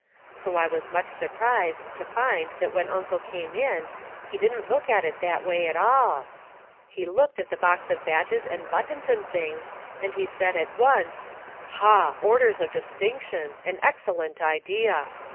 So I was much surprised to find that when Uncle came in he didn't look at it that way at all. He looked at the box of badges and buttons and things, and he said at once, "Ha! Orders of Distinction! An excellent idea."